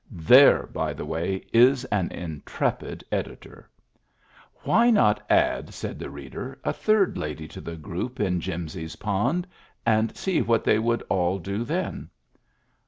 (There, by the way, is an intrepid editor!) Why not add, said the reader, a third lady to the group in Jimsy's pond, and see what they would all do then